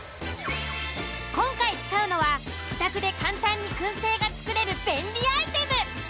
今回使うのは自宅で簡単に燻製が作れる便利アイテム。